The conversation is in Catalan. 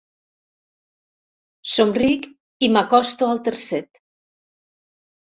Somric i m'acosto al tercet.